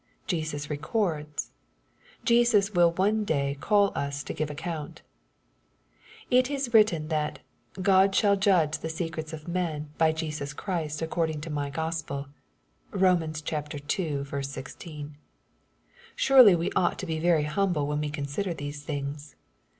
Jesus records. Jesus will one day call us to give account. It is written that '* God shall judge the secrets of men by Jesus Christ according to my GospeL" (Rom. ii. 16.) Surely we ought to be very humble when we consider these things.